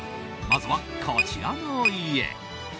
まずは、こちらの家。